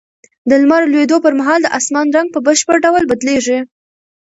د لمر لوېدو پر مهال د اسمان رنګ په بشپړ ډول بدلېږي.